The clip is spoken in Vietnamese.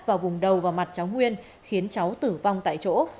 vào vùng đầu vào mặt cháu nguyên khiến cháu tử vong tại chỗ